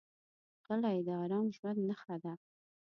غلی، د ارام ژوند نښه ده.